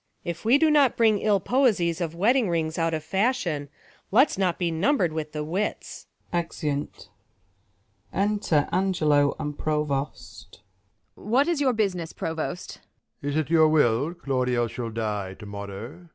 Luc. If we do not Bring ill poesie ■■ of wedding rings out of Fashion, let's not be numbred with the wits. lEzeunt. Enter Angelo a^id Provost. Ang. What is your business. Provost 1 Prov. Is it your will Claudio shall die to morrow